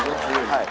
はい。